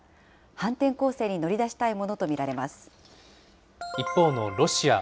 反転攻勢に乗り出したいものと見一方のロシア。